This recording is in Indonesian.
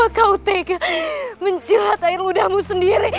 kenapa kau tega menjelat air ludahmu sendiri